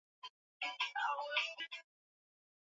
Yeye ni wetu sote